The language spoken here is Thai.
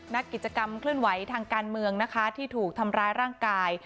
นักกิจกรรมเคลื่อนไหวทางการเมืองนะคะที่ถูกทำร้ายร่างกาย